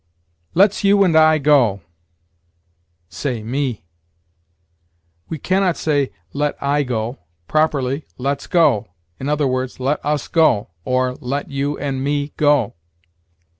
"Let's you and I go": say, me. We can not say, Let I go. Properly, Let's go, i. e., let us go, or, let you and me go.